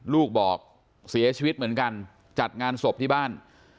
ลูกบอกเสียชีวิตเหมือนกันจัดงานศพที่บ้าน